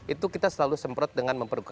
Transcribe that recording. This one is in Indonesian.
itu kita selalu semprot dengan memperkuat